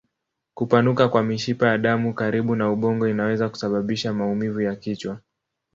Kupanuka kwa mishipa ya damu karibu na ubongo inaweza kusababisha maumivu ya kichwa.